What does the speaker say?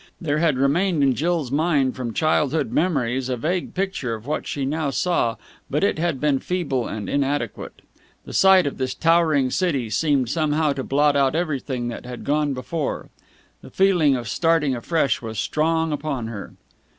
There had remained in Jill's mind from childhood memories a vague picture of what she now saw, but it had been feeble and inadequate. The sight of this towering city seemed somehow to blot out everything that had gone before. The feeling of starting afresh was strong upon her.